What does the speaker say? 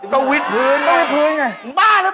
ก็วิทย์พื้นต้องให้พื้นไงต้องวิทย์พื้น